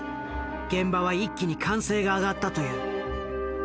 現場は一気に歓声が上がったという。